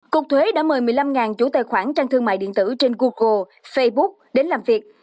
cục thuế đã mời một mươi năm chủ tài khoản trang thương mại điện tử trên google facebook đến làm việc